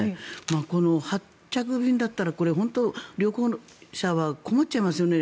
これ、発着便だったら旅行者は困っちゃいますよね。